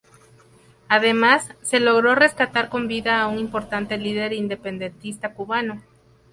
Además, se logró rescatar con vida a un importante líder independentista cubano.